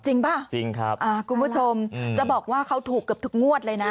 จริงป่ะคุณผู้ชมจะบอกว่าเขาถูกเกือบถูกงวดเลยนะ